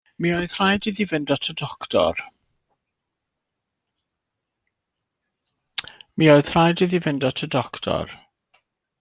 Mi oedd rhaid iddi fynd at y doctor.